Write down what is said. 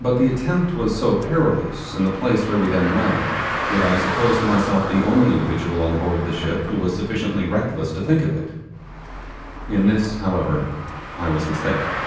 But the attempt was so perilous in the place where we then lay, that I supposed myself the only individual on board the ship who was sufficiently reckless to think of it. In this, however, I was mistaken.